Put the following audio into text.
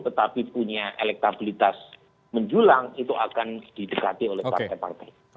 tetapi punya elektabilitas menjulang itu akan didekati oleh partai partai